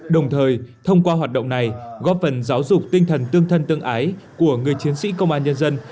đồng thời thông qua hoạt động này góp phần giáo dục tinh thần tương thân tương ái của người chiến sĩ công an nhân dân